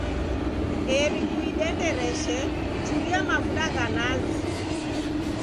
Eri kuidendereshe churia mavuda gha nazi.